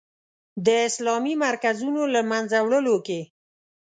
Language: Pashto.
د اسلامي مرکزونو له منځه وړلو کې.